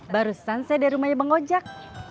barusan saya dari rumahnya bang ojak